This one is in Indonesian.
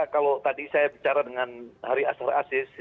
kalau tadi saya bicara dengan hari astra asis